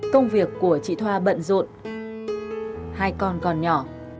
công việc của chị thoa bận rộn hai con còn nhỏ